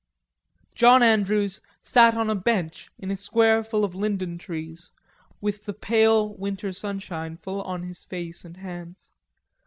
John Andrews sat on a bench in a square full of linden trees, with the pale winter sunshine full on his face and hands.